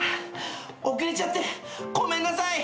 遅れちゃって米んなさい！